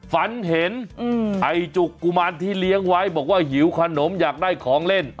ฝันเห็นไอจุกกุมารที่เลี้ยงไว้บอกว่าหิวขนมอยากได้ของเล่น